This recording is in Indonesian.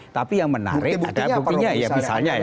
tapi yang menarik ada buktinya ya misalnya ya